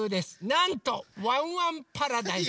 なんと「ワンワンパラダイス」。